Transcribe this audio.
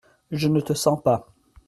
Je ne te sens pas !